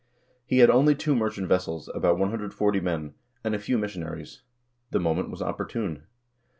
He had only two merchant vessels, about 140 men, and a few mission aries. The moment was opportune.